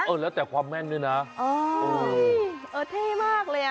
เออแล้วแต่ความแม่นด้วยนะเออเออเท่มากเลยอ่ะ